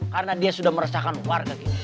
karena dia sudah meresahkan warga kita